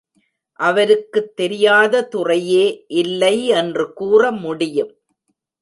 அவருக்குத் தெரியாத துறையே இல்லை என்று கூற முடியும்.